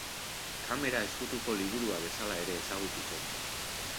Kamera Ezkutuko Liburua bezala ere ezagutu zen.